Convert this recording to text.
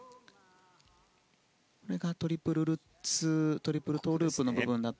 トリプルルッツトリプルトウループの部分。